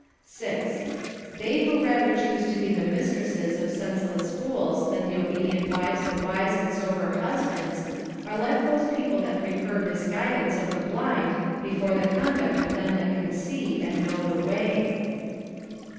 6. They who rather choose to be the mistresses of sense less fools than the obedient wives of wise and sober hus bands are like those people that prefer misguidance of the blind before the conduct of them that can see and know the way.